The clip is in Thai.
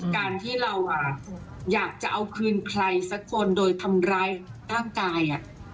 การที่เราอยากจะเอาคืนใครสักคนโดยทำร้ายร่างกาย